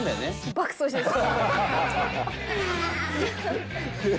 爆走してます！